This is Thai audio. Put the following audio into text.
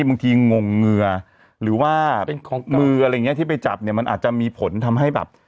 บางทีงงเงือหรือว่าเป็นของมืออะไรอย่างเงี้ที่ไปจับเนี่ยมันอาจจะมีผลทำให้แบบ